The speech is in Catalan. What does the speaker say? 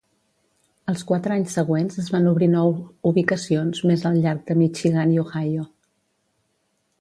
Els quatre anys següents es van obrir nou ubicacions més al llarg de Michigan i Ohio.